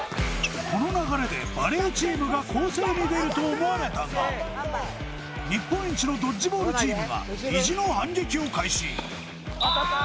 この流れでバレーチームが攻勢に出ると思われたが日本一のドッジボールチームが意地の反撃を開始